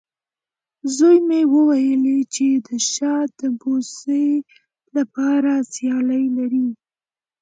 زوی مې وویلې، چې د شات د بوسې لپاره سیالي لري.